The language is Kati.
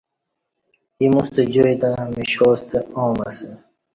ایمو ستہ جائی تہ مشا ستہ عام اسہ